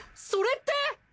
それって。